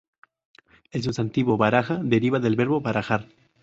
El sustantivo "baraja" deriva del verbo "barajar".